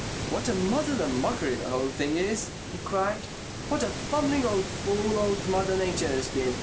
"What a muddle and mockery the whole thing is!" he cried. "What a fumbling old fool old Mother Nature has been!